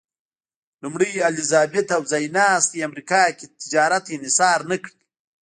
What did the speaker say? لومړۍ الیزابت او ځایناستي امریکا کې تجارت انحصار نه کړل.